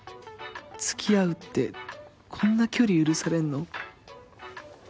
付き合うってこんな距離許されんの？